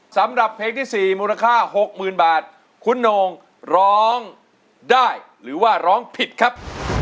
สำหรับเพลงที่๔มูลค่า๖๐๐๐บาทคุณโหน่งร้องได้หรือว่าร้องผิดครับ